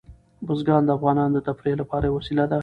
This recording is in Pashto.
بزګان د افغانانو د تفریح لپاره یوه وسیله ده.